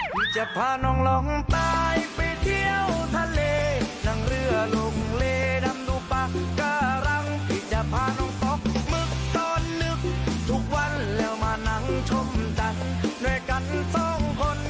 มานั่งชมจันทร์ด้วยกันสองคน